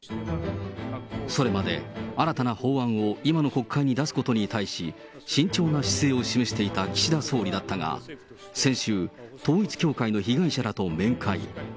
それまで新たな法案を今の国会に出すことに対し、慎重な姿勢を示していた岸田総理だったが、先週、統一教会の被害者らと面会。